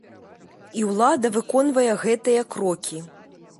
І ўлада выконвае гэтыя крокі.